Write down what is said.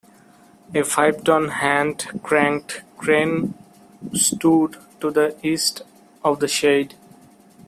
A five-ton hand-cranked crane stood to the east of the shed.